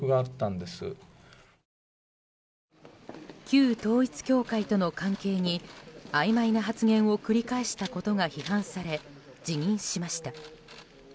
旧統一教会との関係にあいまいな発言を繰り返したことが批判され、辞任しました。